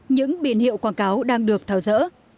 những biển hiệu quảng cáo đang được thảo dỡ